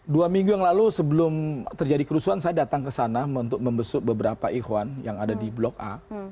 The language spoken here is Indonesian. dua minggu yang lalu sebelum terjadi kerusuhan saya datang ke sana untuk membesuk beberapa ikhwan yang ada di blok a